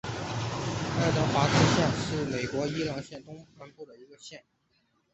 爱德华兹县是美国伊利诺伊州东南部的一个县。